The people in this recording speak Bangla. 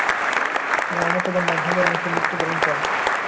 তার মামাতো বোন নভেম্বর মাসে মৃত্যুবরণ করে।